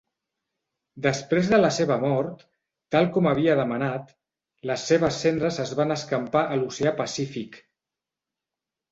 Després de la seva mort, tal com havia demanat, les seves cendres es van escampar a l'oceà Pacífic.